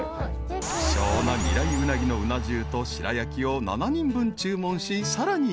［希少な未来鰻のうな重と白焼を７人分注文しさらに］